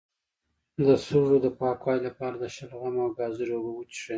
د سږو د پاکوالي لپاره د شلغم او ګازرې اوبه وڅښئ